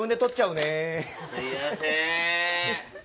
すいません。